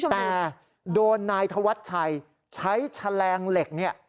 แต่โดนนายธวัชชัยใช้แฉลงเหล็กเนี่ย